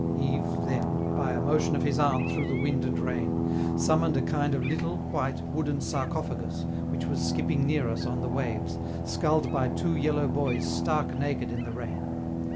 Yves then, by a motion of his arm through the wind and rain, summoned a kind of little, white, wooden sarcophagus which was skipping near us on the waves, sculled by two yellow boys stark naked in the rain.